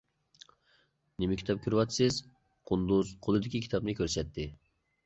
نېمە كىتاب كۆرۈۋاتىسىز؟ قۇندۇز قولىدىكى كىتابنى كۆرسەتتى.